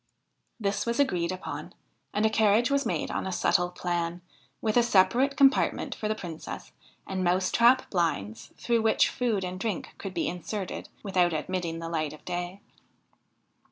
This was agreed upon and a carriage was made on a subtle plan, with a separate compartment for the Princess, and mouse trap blinds through which food and drink could be inserted without admitting the light of day.